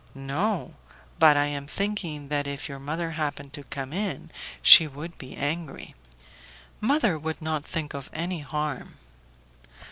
"No; but I am thinking that if your mother happened to come in, she would be angry." "Mother would not think of any harm."